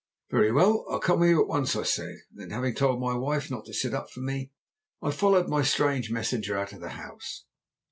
"'Very well, I'll come with you at once,' I said. Then, having told my wife not to sit up for me, I followed my strange messenger out of the house.